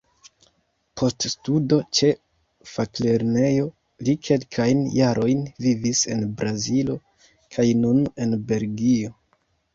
Post studo ĉe faklernejo li kelkajn jarojn vivis en Brazilo kaj nun en Belgio.